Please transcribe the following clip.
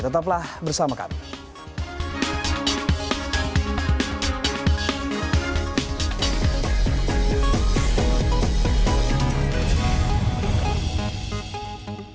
tetaplah bersama kami